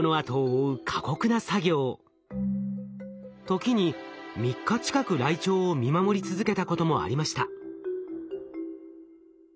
ときに３日近くライチョウを見守り続けたこともありました。